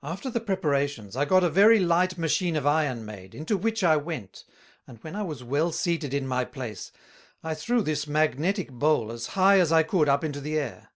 "After the Preparations, I got a very light Machine of Iron made, into which I went, and when I was well seated in my place, I threw this Magnetick Bowl as high as I could up into the Air.